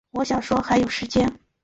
我想说还有时间